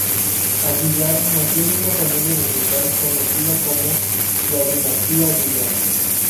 Aguilar nació en una familia musical, conocida como "La Dinastía Aguilar".